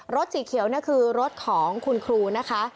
สีเขียวนี่คือรถของคุณครูนะคะ